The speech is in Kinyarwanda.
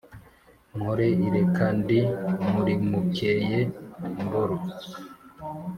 mpore ireka ndi murimukeye lmboro